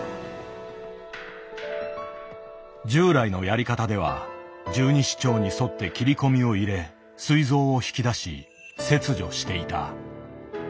従来のやり方では十二指腸に沿って切り込みを入れすい臓を引き出し切除していた。